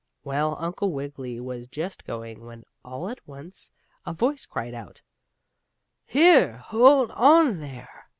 Well, Uncle Wiggily was just going, when, all at once, a voice cried out: "Here, hold on there!"